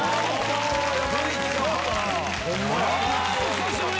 久しぶり！